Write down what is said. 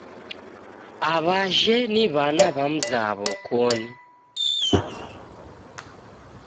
Aw'ajhe ni w'ana w'a mzaw'o koni